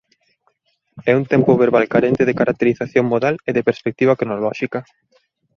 É un tempo verbal carente de caracterización modal e de perspectiva cronolóxica.